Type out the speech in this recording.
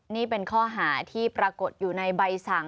นี่เป็นข้อหาที่ปรากฏอยู่ในใบสั่ง